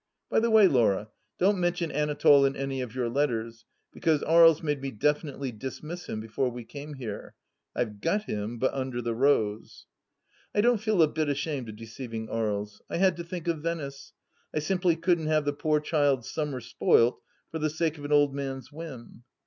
By the way, Laura, don't mention Anatole in any of your letters, because Aries made me definitely dismiss him before we came here. I've got him, but under the rose. I don't feel a bit ashamed of deceiving Aries. I had to think of Venice. I simply couldn't have the poor child's summer spoilt for the sake of an old man's whim.